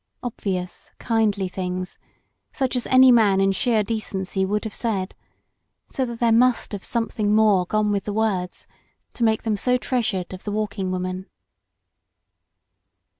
Obvious, kind ly things, such as any man in sheer decency would have said, so that there must have some LOST BORDERS thing more gone with the words to make them so treasured of the Walking Woman.